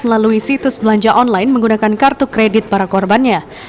melalui situs belanja online menggunakan kartu kredit para korbannya